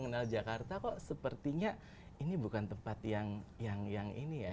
hidup di jakarta kok sepertinya ini bukan tempat yang yang ini ya